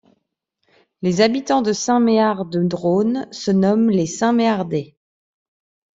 Les habitants de Saint-Méard-de-Drône se nomment les Saint Méardais.